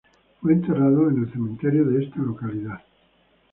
Fue enterrado en el cementerio de esta localidad.